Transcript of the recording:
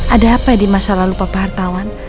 ada apa di masa lalu papa hartawan